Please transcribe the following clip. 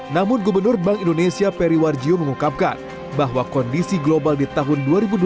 namun gubernur bank indonesia periwarjiwo mengungkapkan bahwa kondisi global di tahun